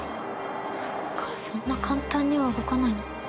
そっかそんな簡単には動かない。